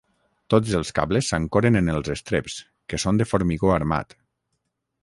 Tots els cables s'ancoren en els estreps, que són de formigó armat.